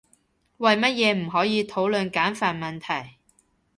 為乜嘢唔可以討論簡繁問題？